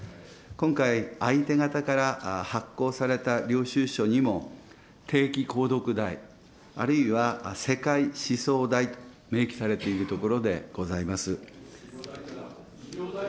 今回、相手方から発行された領収書にも、定期購読代、あるいは世界思想代と明記されているところでございます。